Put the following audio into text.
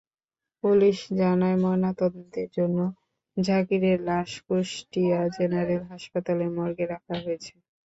Police জানায়, ময়নাতদন্তের জন্য জাকিরের লাশ কুষ্টিয়া জেনারেল হাসপাতালের মর্গে রাখা হয়েছে।